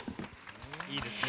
いいですね。